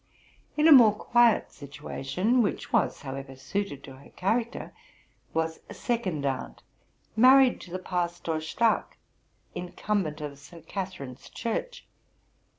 In a more quiet situation, which was, however, suited to 36 TRUTH AND FICTION her character, was a second aunt, married to the Pastor Stark, incumbent of St. Catharine's Church.